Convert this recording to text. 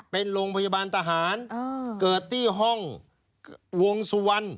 เป็นโรงพยาบาลทหารเกิดที่ห้องวงสุวรรณ